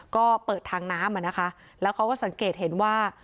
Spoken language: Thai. ก็เปิดทางน้ำอ่ะนะคะแล้วเขาก็สังเกตเห็นว่า